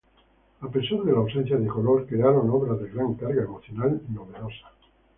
A pesar de la ausencia de color, crearon obras de gran carga emocional novedosa.